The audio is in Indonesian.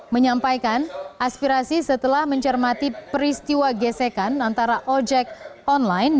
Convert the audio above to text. menyampaikan aspirasi setelah mencermati peristiwa gesekan antara ojek online